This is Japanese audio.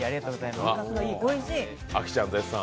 あきちゃん絶賛。